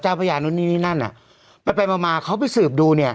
จ้าพระยานนี้นั่นน่ะอ่ะมันไปมามาเขาไปสืบดูเนี้ย